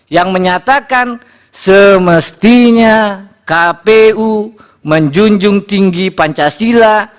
yang menyatakan semestinya kpu menjunjung tinggi pancasila